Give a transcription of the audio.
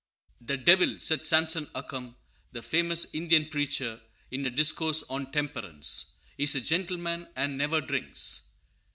"The Devil," said Samson Occum, the famous Indian preacher, in a discourse on temperance, "is a gentleman, and never drinks."